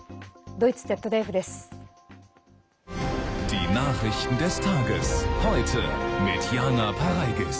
ドイツＺＤＦです。